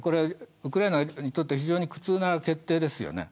ウクライナにとって非常に苦痛な決定です